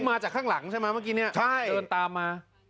มาจากข้างหลังใช่ไหมเมื่อกี้เนี่ยเดินตามมา